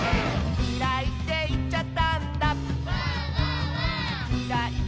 「きらいっていっちゃったんだ」